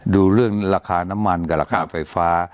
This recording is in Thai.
ดูเรื่องราคาน้ำมันกับราคาไฟฟ้า